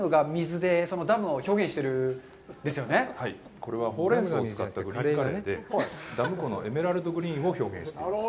これはホウレンソウを使ったグリーンカレーでダム湖のエメラルドグリーンを表現しています。